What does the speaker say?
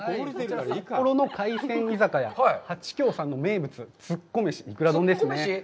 札幌の海鮮居酒屋、はちきょうさんの名物、つっこ飯、イクラ丼ですね。